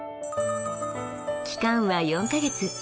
期間は４か月。